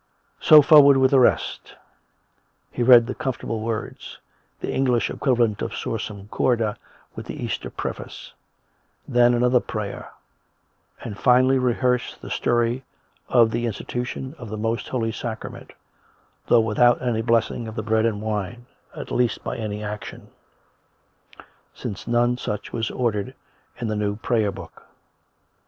So forward with the rest. He read the Comfortable Words; the English equivalent for Sursum Corda with the COME RACK! COME ROPE! 87 Easter Preface; then another prayer; and finally rehearsed the story of the Institution of the Most Holy Sacrament, though without any blessing of the bread and wine, at least by any action, since none such was ordered in the new Prayer Book.